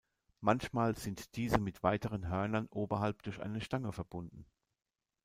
Manchmal sind diese mit weiteren Hörnern oberhalb durch eine Stange verbunden.